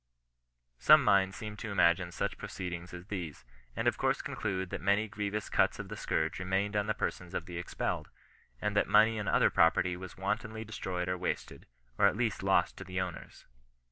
! Some minds seem to imagine such proceedings as these, and of course conclude that many grievous cuts of the scourge remained on the persons of the expelled, and that money and other property was wantonly destroyed or wasted, or at least lost to the owners.